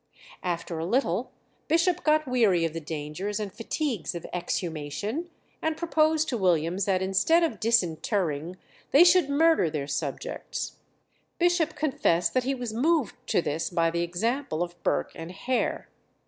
After a little Bishop got weary of the dangers and fatigues of exhumation, and proposed to Williams that instead of disinterring they should murder their subjects. Bishop confessed that he was moved to this by the example of Burke and Hare.